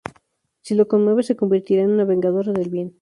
Si lo conmueve, se convertirá en una vengadora del bien.